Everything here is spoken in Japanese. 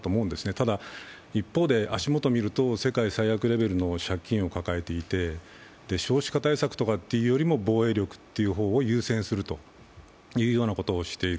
ただ、一方で足元を見ると世界最悪レベルの借金を抱えていて少子化対策というよりも防衛力を優先するということをしている。